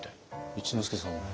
一之輔さんは？